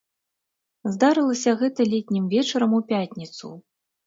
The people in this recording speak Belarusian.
Здарылася гэта летнім вечарам у пятніцу.